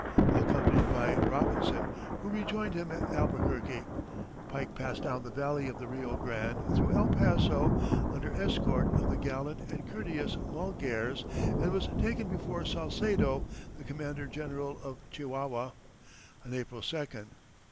Accompanied by Robinson, who rejoined him at Albuquerque, Pike passed down the valley of the Rio Grande, through El Paso, under escort of the gallant and courteous Malgares, and was taken before Salcedo, the Commandant General of Chihuahua, on April 2d.